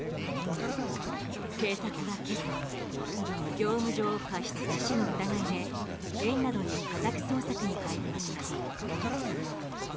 警察は今朝業務上過失致死の疑いで園などに家宅捜索に入りました。